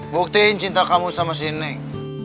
buktiin cinta kamu sama si neng